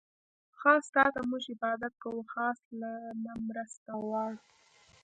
خاص تاته مونږ عبادت کوو، او خاص له نه مرسته غواړو